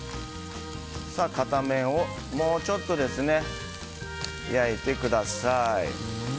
片面、もうちょっと焼いてください。